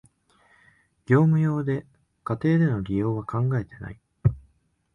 業務用で、家庭での利用は考えてない